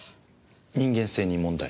人間性に問題？